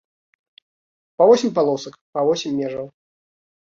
Па восем палосак, па восем межаў.